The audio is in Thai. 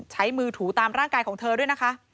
ใช้มือถูตามร่างกายของเธอด้วยนะคะ